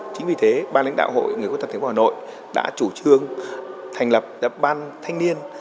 chính vì thế ban lãnh đạo hội người khuyết tật tp hà nội đã chủ trương thành lập ban thanh niên